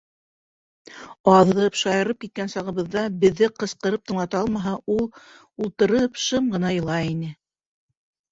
Аҙып, шаярып киткән сағыбыҙҙа беҙҙе ҡысҡырып тыңлата алмаһа, ул, ултырып, шым ғына илай ине.